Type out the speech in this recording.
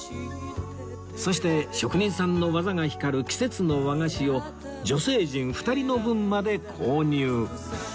そして職人さんの技が光る季節の和菓子を女性陣２人の分まで購入